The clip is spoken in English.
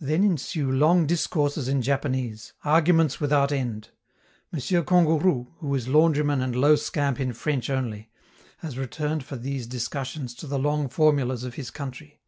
Then ensue long discourses in Japanese, arguments without end. M. Kangourou, who is laundryman and low scamp in French only, has returned for these discussions to the long formulas of his country.